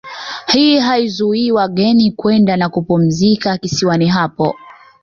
Hii haizuii wageni kwenda na kupumzika kisiwani hapo